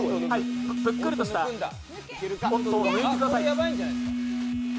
ぷっくりとしたオットーを抜いてください。